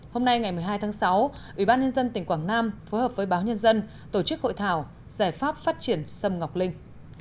hôm nay ngày một mươi hai tháng sáu ubnd tỉnh quảng nam phối hợp với báo nhân dân tổ chức hội thảo giải pháp phát triển sâm ngọc linh